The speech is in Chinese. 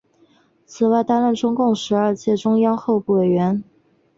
此外担任中共第十二届中央候补委员。